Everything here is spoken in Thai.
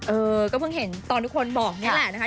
เออก็เพิ่งเห็นตอนทุกคนบอกนี่แหละนะคะ